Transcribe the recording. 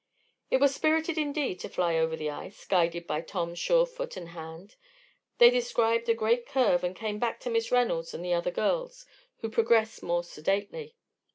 It was spirited indeed to fly over the ice, guided by Tom's sure foot and hand. They described a great curve and came back to Miss Reynolds and the other girls, who progressed more sedately.